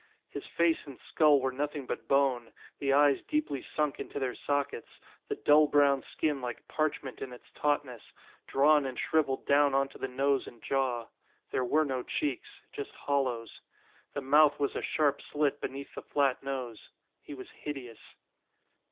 His face and skull were nothing but bone, the eyes deeply sunk into their sockets, the dull brown skin like parchment in its tautness, drawn and shriveled down onto the nose and jaw. There were no cheeks. Just hollows. The mouth was a sharp slit beneath the flat nose. He was hideous.